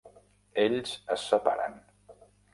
Ells es separen.